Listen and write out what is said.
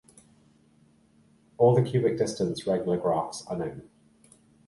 All the cubic distance-regular graphs are known.